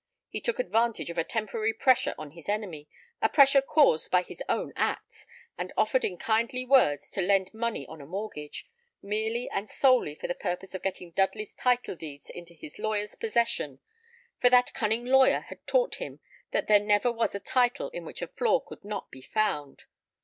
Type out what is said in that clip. He took advantage of a temporary pressure on his enemy a pressure caused by his own acts, and offered in kindly words to lend money on a mortgage, merely and solely for the purpose of getting Dudley's title deeds into his lawyer's possession; for that cunning lawyer had taught him that there never was a title in which a flaw could not be found.